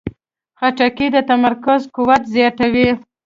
خټکی د تمرکز قوت زیاتوي.